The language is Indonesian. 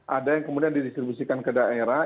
ada yang kemudian didistribusikan ke daerah